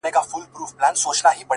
د زړه په كور كي دي بل كور جوړكړی”